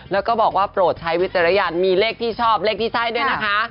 แล้วก็บอกว่าโปรดใช้วิจารณญาณมีเลขที่ชอบเลขที่ใช่ด้วยนะคะ